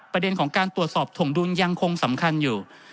ประเด็นของการตรวจสอบถงดุลยังคงสำคัญอยู่